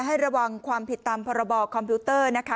ให้ระวังความผิดตามพรบคอมพิวเตอร์นะคะ